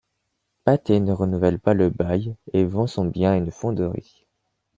Pathé ne renouvelle pas le bail et vend son bien à une fonderie.